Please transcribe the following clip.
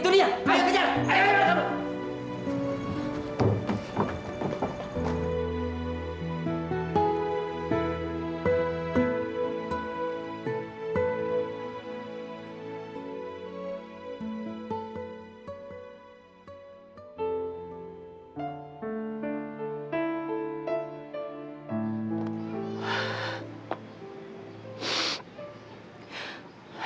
lgot apa tuh